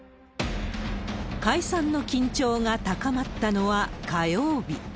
解散の緊張が高まったのは、火曜日。